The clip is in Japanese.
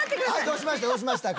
どうしました？